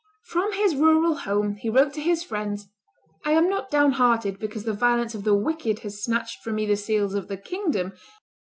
From his rural home he wrote to his friends, "I am not downhearted because the violence of the wicked has snatched from me the seals of the kingdom.